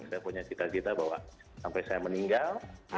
saya punya cita cita bahwa sampai saya meninggal